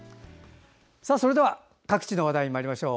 それでは、各地の話題にまいりましょう。